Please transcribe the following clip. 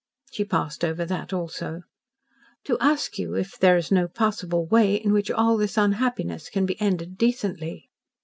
She passed over that also. "To ask you if there is no possible way in which all this unhappiness can be ended decently."